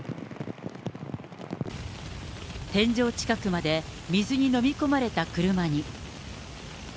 天井近くまで水に飲み込まれた車に。